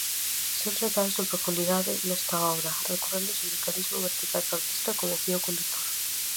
Son tratados en profundidade nesta obra, recorrendo ao sindicalismo vertical franquista como fío condutor.